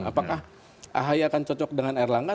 apakah ahy akan cocok dengan erlangga